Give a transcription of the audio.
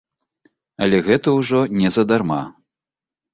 Але гэта ўжо не задарма!